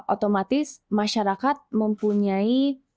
otomatis masyarakat mempunyai